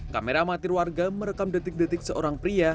kamera amatir warga merekam detik detik seorang pria